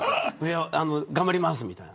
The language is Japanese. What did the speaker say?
頑張りますみたいな。